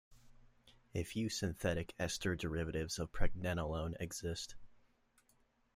A few synthetic ester derivatives of pregnenolone exist.